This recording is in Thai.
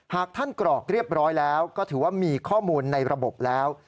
หากท่านกรอกเรียบร้อยแล้วก็ถือว่ามีข้อมูลในระบบแล้ว